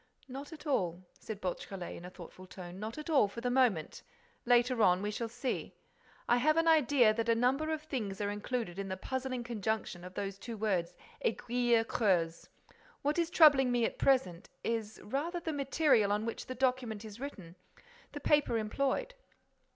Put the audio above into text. "Not at all," said Beautrelet, in a thoughtful tone. "Not at all, for the moment.—Later on, we shall see.—I have an idea that a number of things are included in the puzzling conjunction of those two words, aiguille creuse. What is troubling me at present is rather the material on which the document is written, the paper employed.